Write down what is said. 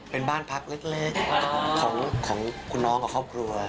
เป็นบ้านพักเล็กของคุณน้องกับครอบครัว